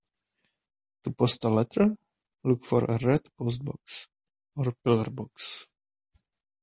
To post a letter, look for a red postbox or pillar box